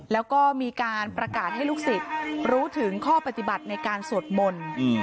แล้วก็มีการประกาศให้ลูกศิษย์รู้ถึงข้อปฏิบัติในการสวดมนต์